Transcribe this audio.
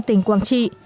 tỉnh quảng trị